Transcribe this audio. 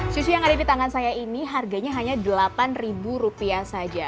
sushi yang ada di tangan saya ini harganya hanya delapan rupiah saja